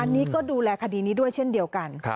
อันนี้ก็ดูแลคดีนี้ด้วยเช่นเดียวกัน